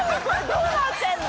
どうなってんの⁉